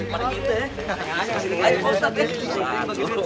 pak ustad baik deh